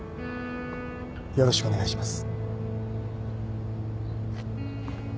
よろしくお願いします